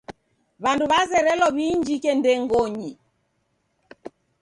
W'andu wazerelo w'iinjike ndengonyi..